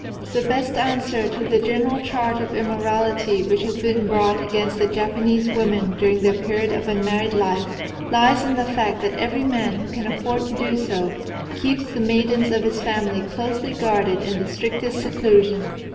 The best answer to the general charge of immorality which has been brought against the Japanese women during their period of unmarried life, lies in the fact that every man who can afford to do so keeps the maidens of his family closely guarded in the strictest seclusion.